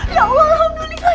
ya allah alhamdulillah